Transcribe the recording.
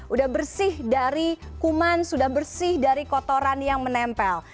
udah bersih dari kuman sudah bersih dari kotoran yang menempel